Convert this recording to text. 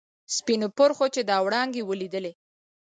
سپینو پرخو چې دا وړانګې ولیدلي.